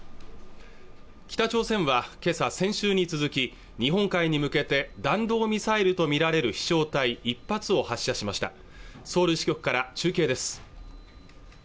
北朝鮮はけさは先週に続き日本海に向けて弾道ミサイルとみられる飛翔体１発を発射しましたソウル支局から中継です